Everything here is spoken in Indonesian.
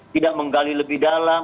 tidak menggali lebih dalam